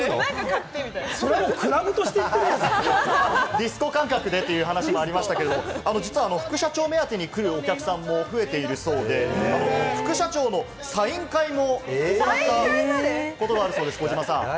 ディスコ感覚でという話もありましたけれども、副社長目当てで行くお客さんも増えているそうで、副社長のサイン会も行ったことがあるそうです、児嶋さん。